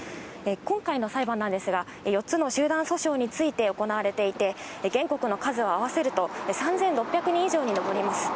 今回の裁判なんですが、４つの集団訴訟について行われていて、原告の数を合わせると、３６００人以上に上ります。